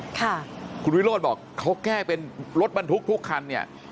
คุณวิโรธบอกเขาแก้เป็นรถบรรทุกทุกคัน